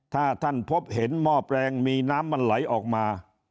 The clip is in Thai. ถ้าท่านพบเห็นหม้อแปลงมีน้ำมันไหลออกมา